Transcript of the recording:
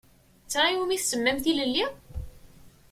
D ta i wumi tsemmamt tilelli?